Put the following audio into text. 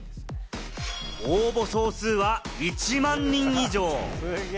応募総数は１万人以上。